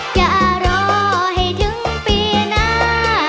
จะรอให้ถึงปีหน้า